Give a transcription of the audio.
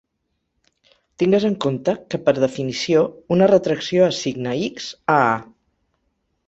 Tingues en compte que, per definició, una retracció assigna "X" a "A".